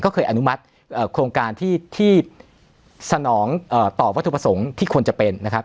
ก็เคยอนุมัติโครงการที่สนองตอบวัตถุประสงค์ที่ควรจะเป็นนะครับ